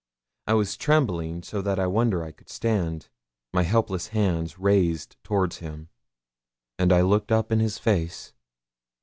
I was trembling so that I wonder I could stand, my helpless hands raised towards him, and I looked up in his face.